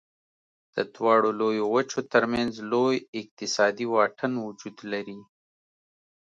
د دواړو لویو وچو تر منځ لوی اقتصادي واټن وجود لري.